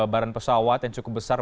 barang pesawat yang cukup besar